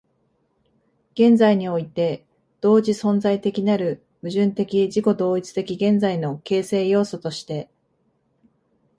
現在において同時存在的なる矛盾的自己同一的現在の形成要素として、